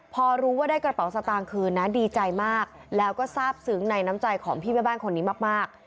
พอรู้ว่าได้กระเป๋าสตางค์คืนนะดีใจมากแล้วก็ทราบซึ้งในน้ำใจของพี่แม่บ้านคนนี้มาก